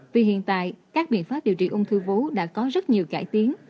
vì hiện tại các biện pháp điều trị ông thư vũ đã có rất nhiều cải tiến